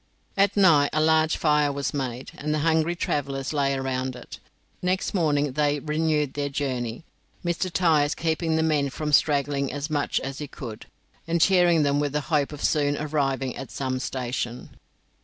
At night a large fire was made, and the hungry travellers lay around it. Next morning they renewed their journey, Mr. Tyers keeping the men from straggling as much as he could, and cheering them with the hope of soon arriving at some station.